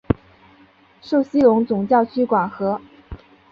受西隆总教区管辖。